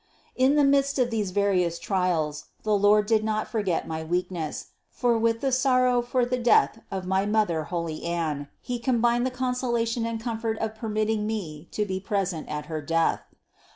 726. In the midst of these various trials the Lord did not forget my weakness, for with the sorrow for the death of my mother, holy Anne, He combined the con solation and comfort of permitting me to be present at her death.